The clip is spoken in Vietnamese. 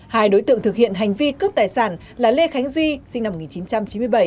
hai đối tượng thực hiện hành vi cướp tài sản là lê khánh duy sinh năm một nghìn chín trăm chín mươi bảy